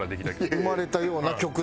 生まれたような曲だ。